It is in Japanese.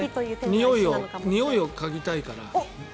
においを嗅ぎたいから。